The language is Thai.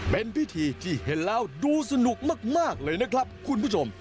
เป็นพิธีที่เห็นแล้วดูสนุกมากเลยนะครับคุณผู้ชม